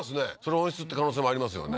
温室って可能性もありますよね